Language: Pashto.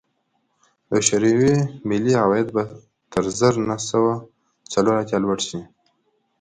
د شوروي ملي عواید به تر زر نه سوه څلور اتیا لوړ شي